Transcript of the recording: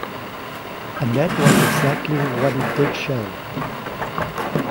And that was exactly what it did show.